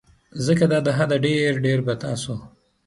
ځکه دا د حده ډیر ډیر به تاسو